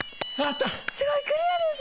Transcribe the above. すごいクリアです！